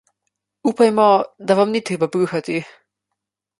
Upajmo, da vam ni treba bruhati.